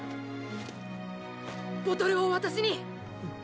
ボトルを渡しに。